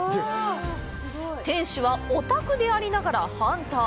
店主はオタクでありながらハンター！？